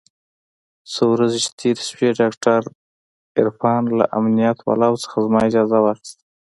څو ورځې چې تېرې سوې ډاکتر عرفان له امنيت والاو څخه زما اجازه واخيسته.